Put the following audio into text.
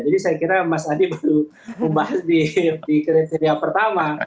jadi saya kira mas adi belum membahas di kriteria pertama